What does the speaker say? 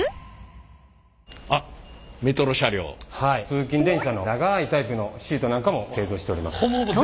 通勤電車の長いタイプのシートなんかも製造しております。